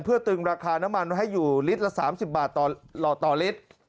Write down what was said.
เพื่อตึงราคาน้ำมันให้อยู่ลิตรละ๓๐บาทต่อลิตร